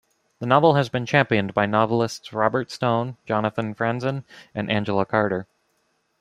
The novel has been championed by novelists Robert Stone, Jonathan Franzen and Angela Carter.